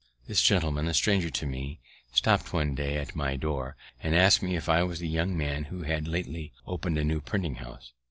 This gentleman, a stranger to me, stopt one day at my door, and asked me if I was the young man who had lately opened a new printing house.